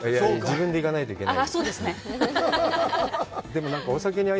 自分で行かないといけない。